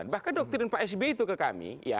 bahkan doktrin pak s b itu ke kami